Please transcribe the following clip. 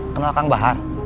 kenal kang bahar